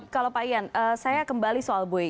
kalau pak ian saya kembali soal bui